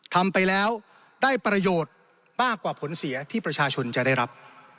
ทำไปแล้วได้ประโยชน์มากกว่าผลเสียที่ประชาชนจะได้รับ